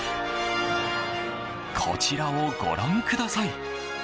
こちらをご覧ください。